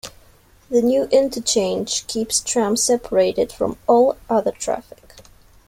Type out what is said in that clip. The new interchange keeps trams separated from all other traffic.